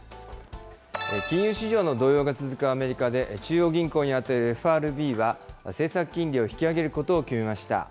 金融市場の動揺が続くアメリカで、中央銀行に当たるＦＲＢは、政策金利を引き上げることを決めました。